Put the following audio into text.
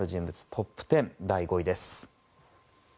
トップ１０第５位です。